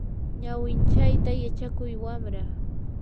ñawinchayta yachakuy wamra.